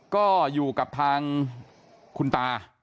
ก็อยู่กับทางคุณตา